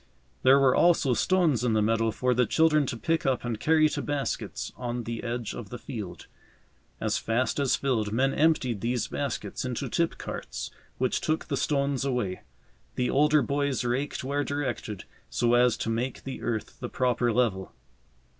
There were also stones in the meadow for the children to pick up and carry to baskets on the edge of the field. As fast as filled, men emptied these baskets into tip carts, which took the stones away. The older boys raked where directed, so as to make the earth the proper level.